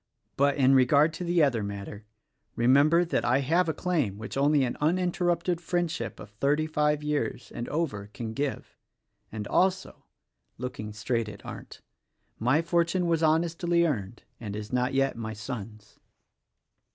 But, in regard to the other matter; remember that I have a claim which only an uninterrupted friendship of thirty five years and over can give, — and also," — looking straight at Arndt — "my fortune was honestly earned, and is not yet my son's."